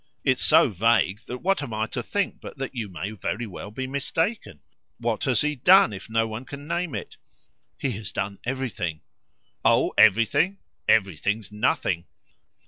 It's so vague that what am I to think but that you may very well be mistaken? What has he done, if no one can name it?" "He has done everything." "Oh everything! Everything's nothing."